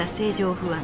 不安